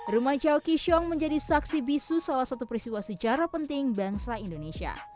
rumah chow kee siong menjadi saksi bisu salah satu peristiwa sejarah penting bangsa indonesia